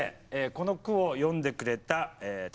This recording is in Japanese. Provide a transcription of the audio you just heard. この句を詠んでくれた昴